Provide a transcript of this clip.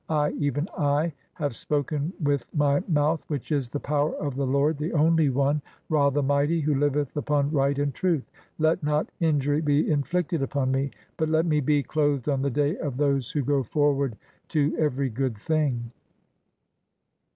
I, even I, have spoken (?) with my "mouth [which is] the power of the Lord, the Only one, Ra "the mighty, who liveth upon right and truth. Let not injury "be inflicted upon me, [but let me be] clothed on the day of "those who go forward (?) (10) to every [good] thing."